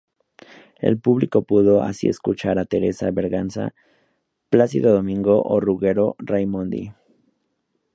El público pudo así escuchar a Teresa Berganza, Plácido Domingo o Ruggero Raimondi.